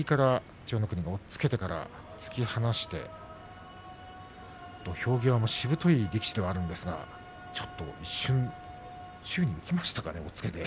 千代の国、右から押っつけて突き放して土俵際もしぶとい力士ではありますが一瞬、宙に浮きましたかね。